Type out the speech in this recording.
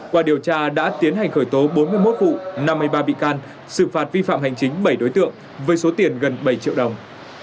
qua điều tra đã tiến hành khởi tố bốn mươi một vụ năm mươi ba bị can xử phạt vi phạm hành chính bảy đối tượng với số tiền gần bảy triệu đồng